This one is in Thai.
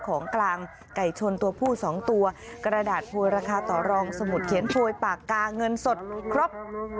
ของกลางไก่ชนตัวผู้๒ตัวกระดาษโพยราคาต่อรองสมุดเขียนโพยปากกาเงินสดครบ